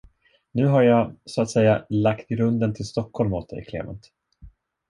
Nu har jag, så att säga, lagt grunden till Stockholm åt dig, Klement.